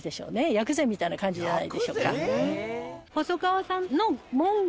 薬膳みたいな感じじゃないでしょうか。